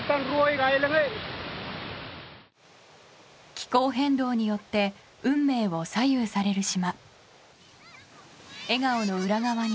気候変動によって運命を左右される島。